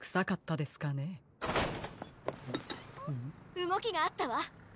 うごきがあったわ！